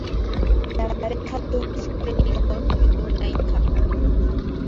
La pareja tuvo siete hijos y una hija.